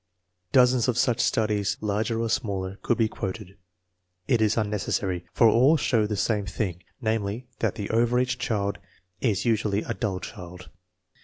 Dozens of such studies, larger or smaller, could be quoted. It is unnecessary, for all show the same thing: namely, that the over age child is usually a dull child.